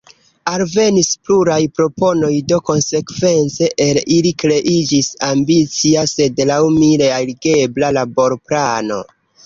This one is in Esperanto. Alvenis pluraj proponoj, do konsekvence el ili kreiĝis ambicia, sed laŭ mi realigebla laborplano.